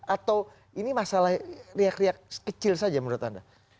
atau ini masalah riak riak kecil saja menurut anda